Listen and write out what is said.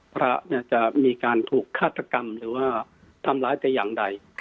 พระจะมีการถูกฆาตกรรมหรือว่าทำร้ายแต่อย่างใด